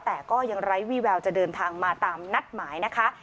แต่ก็ยังไร้วี่แววจะเดินทางมาตามนัดหมายนะคะ